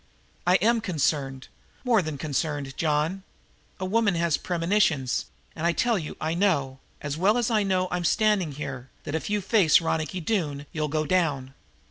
"I am concerned, more than concerned, John. A woman has premonitions, and I tell you I know, as well as I know I'm standing here, that if you face Ronicky Doone you'll go down."